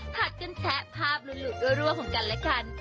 ผัดกันแชะภาพหลุดรั่วของกันและกัน